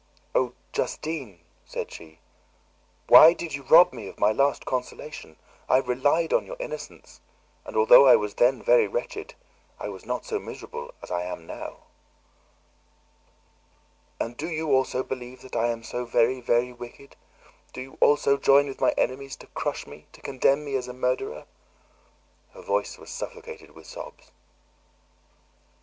"Oh, Justine!" said she. "Why did you rob me of my last consolation? I relied on your innocence, and although I was then very wretched, I was not so miserable as I am now." "And do you also believe that I am so very, very wicked? Do you also join with my enemies to crush me, to condemn me as a murderer?" Her voice was suffocated with sobs.